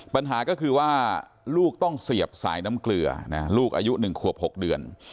ปัญหาก็คือว่าลูกต้องเสียบสายน้ำเกลือลูกอายุ๑ขวบ๖เดือน